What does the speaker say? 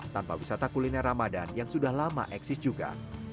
tanpa wisata kuliner ramadhan yang sudah lama eksis juga